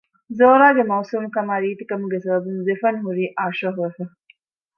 ޒޯރާގެ މައުސޫމު ކަމާ ރީތި ކަމުގެ ސަބަބުން ޒެފަން ހުރީ އާޝޯޙު ވެފަ